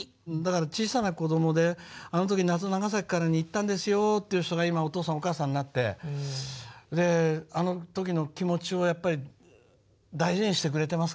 小さな子どもであの時「夏長崎から」に行ったんですよっていう人が今お父さんお母さんになってあの時の気持ちをやっぱり大事にしてくれてますからね。